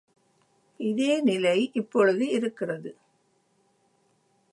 இதே நிலை இப்பொழுது இருக்கிறது.